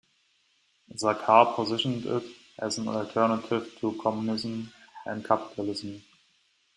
Sarkar positioned it as an alternative to communism and capitalism.